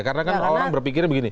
karena kan orang berpikirnya begini